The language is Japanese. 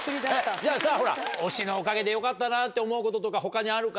じゃあさ推しのおかげでよかったなって思うこととか他にあるか？